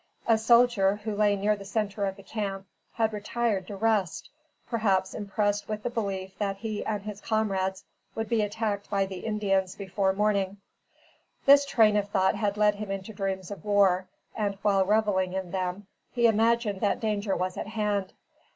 A soldier, who lay near the centre of the camp, had retired to rest, perhaps impressed with the belief that he and his comrades would be attacked by the Indians before morning; this train of thought had led him into dreams of war, and while reveling in them, he imagined that danger was at hand.